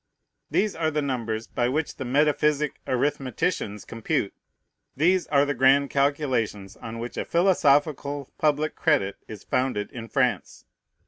These are the numbers by which the metaphysic arithmeticians compute. These are the grand calculations on which a philosophical public credit is founded in France.